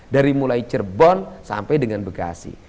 dari mulai cirebon sampai dengan bekasi